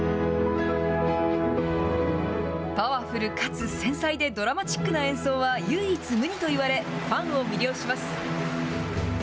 パワフルかつ繊細で、ドラマチックな演奏は唯一無二と言われ、ファンを魅了します。